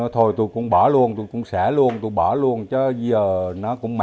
thôi tôi cũng bỏ luôn tôi cũng sẽ luôn tôi bỏ luôn chứ bây giờ nó cũng